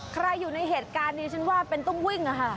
อยู่ในเหตุการณ์นี้ฉันว่าเป็นต้องวิ่งอะค่ะ